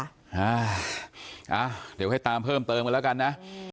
อ่าเดี๋ยวให้ตามเพิ่มเติมกันแล้วกันนะอืม